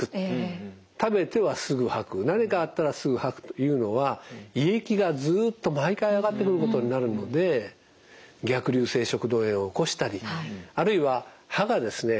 食べてはすぐ吐く何かあったらすぐ吐くというのは胃液がずっと毎回上がってくることになるので逆流性食道炎を起こしたりあるいは歯がですね